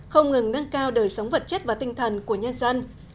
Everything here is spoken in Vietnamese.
không ngừng nâng cao đời sống vật chất và tinh thần của nhân dân